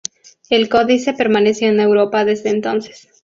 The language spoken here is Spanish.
El códice permaneció en Europa desde entonces.